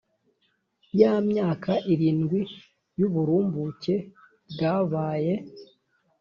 Ya myaka irindwi y uburumbuke bwabaye